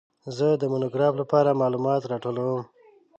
زه د مونوګراف لپاره معلومات راټولوم.